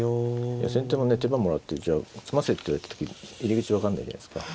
先手もね手番もらってじゃあ詰ませっていわれた時に入り口分かんないじゃないですか。